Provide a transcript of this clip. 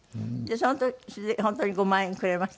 その時本当に５万円くれました？